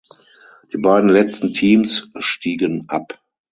Die beiden letzten Teams stiegen ab.